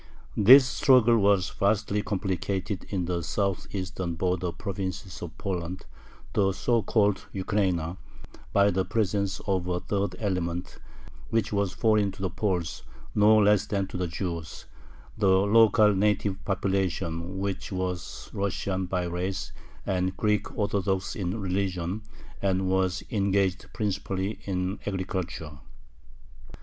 This struggle was vastly complicated in the southeastern border provinces of Poland, the so called Ukraina, by the presence of a third element, which was foreign to the Poles no less than to the Jews the local native population which was Russian by race and Greek Orthodox in religion, and was engaged principally in agriculture.